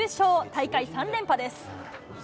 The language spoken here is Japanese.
大会３連覇です。